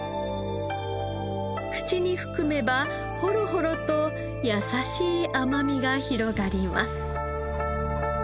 口に含めばホロホロと優しい甘みが広がります。